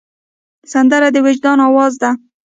سندره د وجدان آواز ده